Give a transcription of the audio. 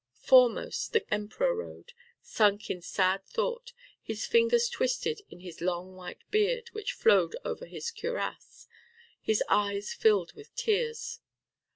Foremost the Emperor rode, sunk in sad thought, his fingers twisted in his long white beard which flowed over his cuirass, his eyes filled with tears.